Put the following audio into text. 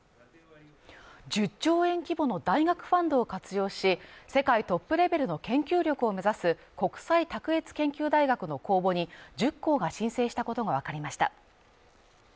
１０兆円規模の大学ファンドを活用し、世界トップレベルの研究力を目指す国際卓越研究大学の公募に１０校が申請したことがわかりました。